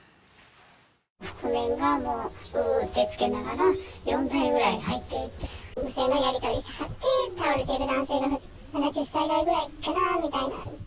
覆面が、うーってつけながら４台ぐらい入っていって、無線のやり取りをしていて、倒れてる男性は７０歳代ぐらいかなみたいな。